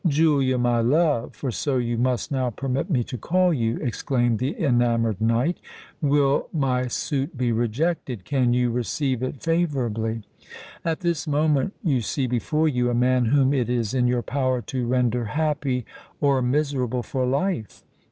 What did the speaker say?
"Julia, my love—for so you must now permit me to call you," exclaimed the enamoured knight, "will my suit be rejected? can you receive it favourably? At this moment you see before you a man whom it is in your power to render happy or miserable for life.